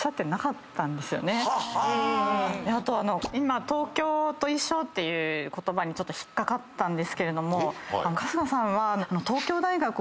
あと「東京と一緒」っていう言葉に引っ掛かったんですけど春日さんは。